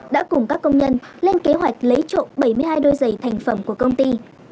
đã cùng các công nhân lên kế hoạch lấy trộm bảy mươi hai đôi giày thành phẩm của công ty